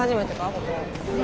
ここ。